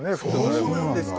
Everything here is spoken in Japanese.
そうなんですか。